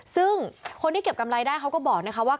ซึ่งคนที่เก็บกำไรได้เขาก็บอกนะคะว่า